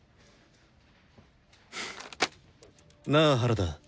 なあ原田。